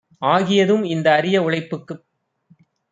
ஆகியதும் இந்த அரிய உழைப்புக்குப்